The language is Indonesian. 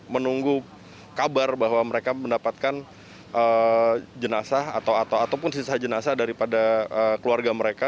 menunggu kabar bahwa mereka mendapatkan jenazah atau ataupun sisa jenazah daripada keluarga mereka